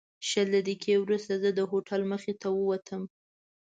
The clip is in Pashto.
شل دقیقې وروسته زه د هوټل مخې ته ووتم.